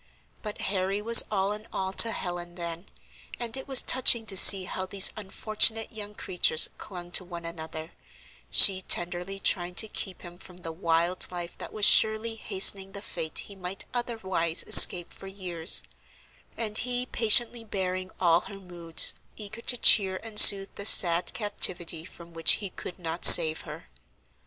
But Harry was all in all to Helen then; and it was touching to see how these unfortunate young creatures clung to one another, she tenderly trying to keep him from the wild life that was surely hastening the fate he might otherwise escape for years, and he patiently bearing all her moods, eager to cheer and soothe the sad captivity from which he could not save her.